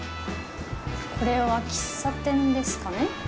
これは喫茶店ですかね？